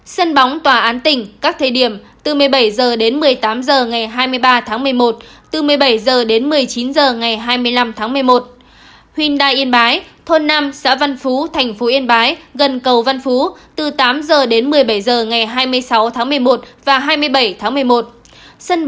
xin chào và hẹn gặp lại